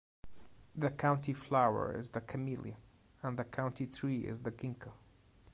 The county flower is the camellia, and the county tree is the ginkgo.